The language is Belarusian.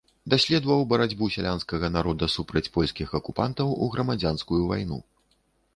Даследаваў барацьбу сялянскага народа супраць польскіх акупантаў у грамадзянскую вайну.